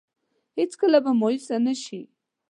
هېڅ کله به مايوسه نه شي.